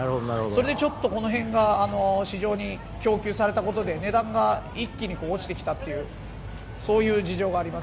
ちょっとこの辺が、市場に供給されたことで値段が一気に落ちてきたという事情があります。